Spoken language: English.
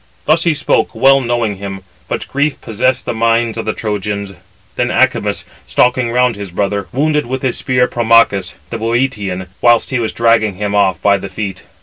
Thus he spoke, well knowing [him], but grief possessed the minds of the Trojans. Then Acamas, stalking round his brother, wounded with his spear Promachus, the Bœotian; whilst he was dragging him off by the feet.